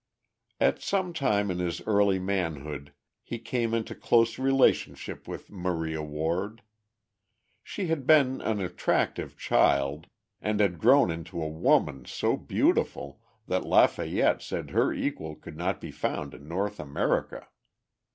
At some time in his early manhood he came into close relationship with Maria Ward. She had been an attractive child, and had grown into a woman so beautiful that Lafayette said her equal could not be found in North America.